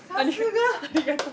ありがとう。